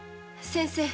先生！